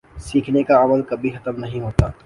سیکھنے کا عمل کبھی ختم نہیں ہوتا